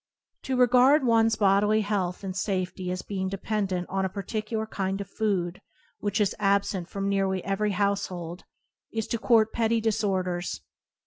To regard one's bodily health and safety as being dependent on a particu lar kind of food which is absent from nearly every household, is to court petty disorders.